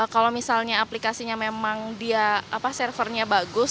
kalau aplikasinya memang servernya bagus